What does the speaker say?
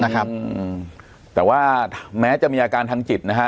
นะครับอืมแต่ว่าแม้จะมีอาการทางจิตนะฮะ